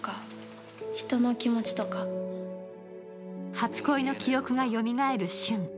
初恋の記憶がよみがえる俊。